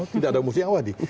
tidak ada musuh yang abadi